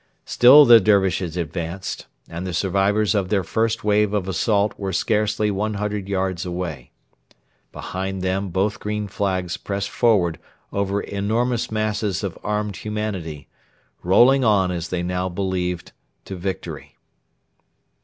Still the Dervishes advanced, and the survivors of their first wave of assault were scarcely 100 yards away. Behind them both green flags pressed forward over enormous masses of armed humanity, rolling on as they now believed to victory.